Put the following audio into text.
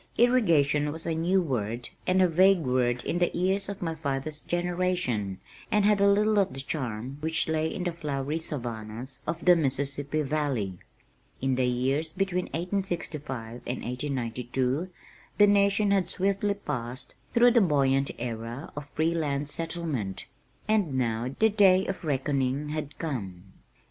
"Irrigation" was a new word and a vague word in the ears of my father's generation, and had little of the charm which lay in the "flowery savannahs" of the Mississippi valley. In the years between 1865 and 1892 the nation had swiftly passed through the buoyant era of free land settlement, and now the day of reckoning had come.